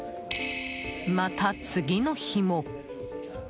また次の日も。